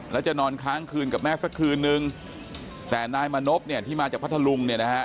แล้วจะนอนค้างคืนกับแม่สักคืนนึงแต่นายมณพเนี่ยที่มาจากพัทธลุงเนี่ยนะฮะ